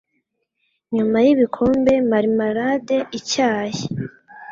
Nyuma y'ibikombe, marmalade, icyayi,